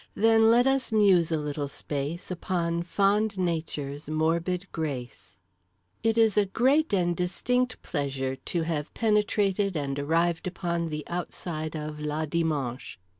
Then let us muse a little space Upon fond Nature's morbid grace." It is a great and distinct pleasure to have penetrated and arrived upon the outside of La Dimanche.